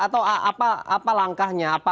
atau apa langkahnya